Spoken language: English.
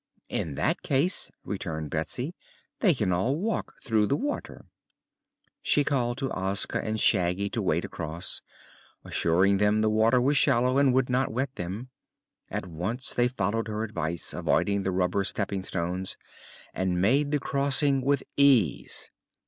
"In that case," returned Betsy, "they can all walk through the water." She called to Ozga and Shaggy to wade across, assuring them the water was shallow and would not wet them. At once they followed her advice, avoiding the rubber stepping stones, and made the crossing with ease.